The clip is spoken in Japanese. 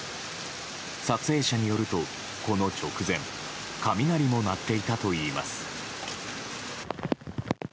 撮影者によると、この直前雷も鳴っていたといいます。